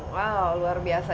wow luar biasa